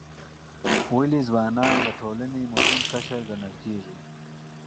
ولې ځوانان د ټولنې مهم قشر ګڼل کیږي؟